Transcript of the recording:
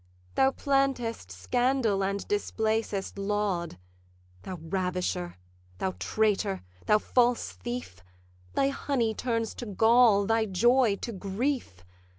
Thou plantest scandal and displacest laud: Thou ravisher, thou traitor, thou false thief, Thy honey turns to gall, thy joy to grief!